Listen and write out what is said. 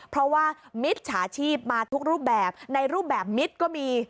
เพราะว่ามิจฉาชีพมาทุกรูปแบบในรูปแบบมิตรก็มี